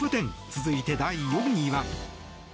続いて、第４位は。